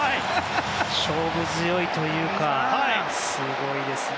勝負強いというかすごいですね。